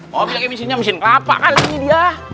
mobilnya mesin kelapa kan ini dia